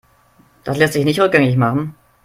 Das lässt sich nicht rückgängig machen.